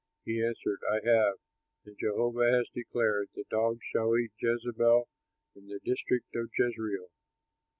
He answered, "I have. And Jehovah has declared: 'The dogs shall eat Jezebel in the district of Jezreel.'"